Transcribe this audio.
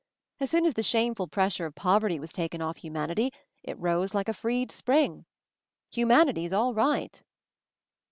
As soon as the shameful pressure of poverty was taken off humanity it rose like a freed spring. Humanity's all right."